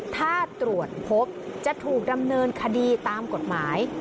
ถ้าตรวจพบจะถูกดำเนินคดีตามกฎหมาย